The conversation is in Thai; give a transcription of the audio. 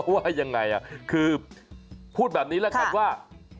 ว่ายังไงคือพูดแบบนี้แล้วกันว่า